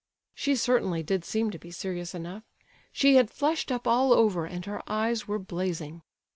She certainly did seem to be serious enough. She had flushed up all over and her eyes were blazing.